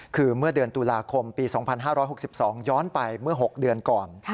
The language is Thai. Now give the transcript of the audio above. คือเมื่อเดือนตุลาคมปี๒๕๖๒ย้อนไปเมื่อ๖เดือนก่อน